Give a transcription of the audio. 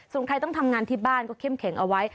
ส่วนใครต้องทำงานที่บ้านก็เข้มแข็งเอาไว้